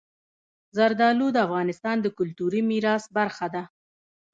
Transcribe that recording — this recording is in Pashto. زردالو د افغانستان د کلتوري میراث برخه ده.